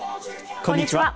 こんにちは。